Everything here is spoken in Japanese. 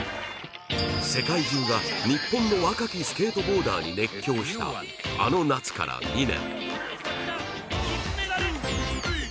世界中が日本の若きスケートボーダーに熱狂したあの夏から２年。